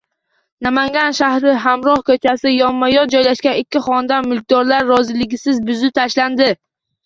Namangan shahri Hamroh ko‘chasida yonma-yon joylashgan ikki xonadon mulkdorlar roziligisiz buzib tashlandi.